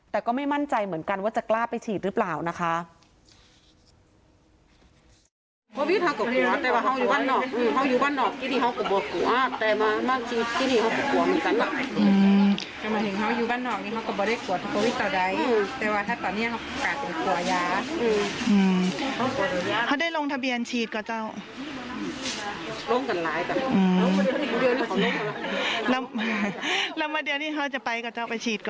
แต่ก็ไม่มั่นใจเหมือนกันว่าจะกล้าไปฉีดหรือเปล่านะคะ